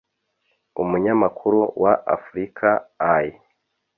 umunyamakuru wa africa eye